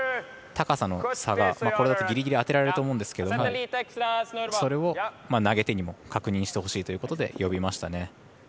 高さの差がこれだとぎりぎり当てられると思うんですけどそれを投げ手に確認してほしいということで呼びましたね。